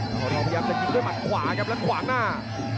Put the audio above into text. ตะเบาทองพยายามจะกินด้วยมัดขวาครับแล้วมัดขวาข้างหน้า